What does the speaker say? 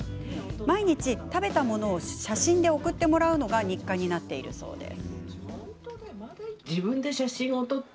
毎日、食べたものを写真で送ってもらうのが日課になっているそうです。